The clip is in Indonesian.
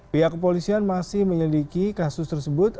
pihak kepolisian masih menyelidiki kasus tersebut